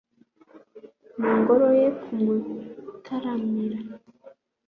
mu ngoro ye kumutaramira